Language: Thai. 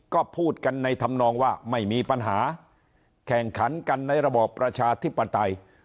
ก็พูดกันในธรรมนองว่าไม่มีปัญหาแข่งขันกันในระบอบประชาธิปไตย